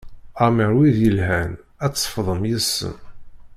Amer wid yelhan ad tt-ṣefḍem yes-sen.